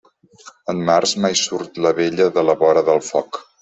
En març, mai surt la vella de la vora del foc.